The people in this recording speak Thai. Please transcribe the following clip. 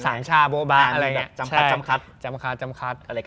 สามชาบโบ๊ะอะไรอย่างงี้จำคัด